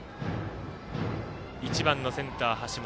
１番のセンター、橋本。